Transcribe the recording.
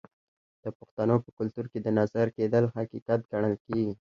د پښتنو په کلتور کې د نظر کیدل حقیقت ګڼل کیږي.